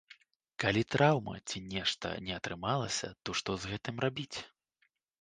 Калі траўма ці нешта не атрымалася, то што з гэтым рабіць?